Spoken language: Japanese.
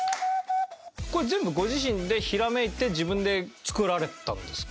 これ全部ご自身でひらめいて自分で作られたんですか？